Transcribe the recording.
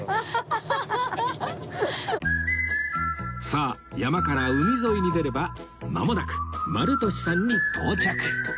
さあ山から海沿いに出ればまもなくまるとしさんに到着